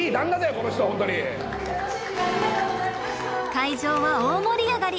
会場は大盛り上がり！